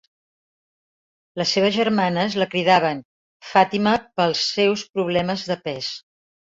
Les seves germanes la cridaven Fàtima pels seus problemes de pes.